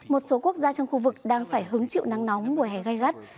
một số quốc gia trong khu vực đang phải hứng chịu nắng nóng mùa hè gai gắt